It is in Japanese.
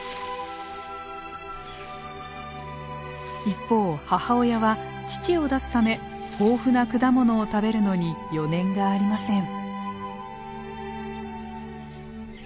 一方母親は乳を出すため豊富な果物を食べるのに余念がありません。